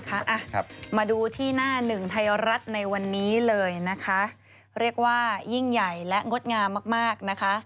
ครับมาดูที่หน้าหนึ่งไทยรัฐในวันนี้เลยนะคะเรียกว่ายิ่งใหญ่และงดงามมากมากนะคะ